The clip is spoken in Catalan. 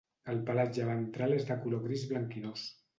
El pelatge ventral és de color gris blanquinós.